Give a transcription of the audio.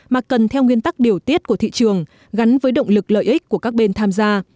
mà cần theo nguyên tắc điều tiết của thị trường gắn với động lực lợi ích của các bên tham gia